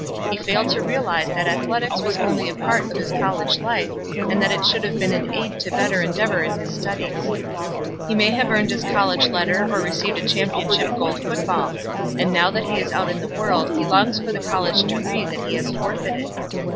He failed to realize that athletics was only a part of his college life, that it should have been an aid to better endeavor in his studies. He may have earned his college letter or received a championship gold football. And now that he is out in the world he longs for the college degree that he has forfeited.